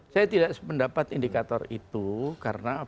saya tidak sependapat indikator itu karena apa